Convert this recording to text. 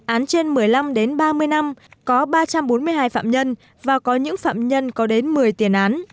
án trên một mươi năm đến ba mươi năm có ba trăm bốn mươi hai phạm nhân và có những phạm nhân có đến một mươi tiền án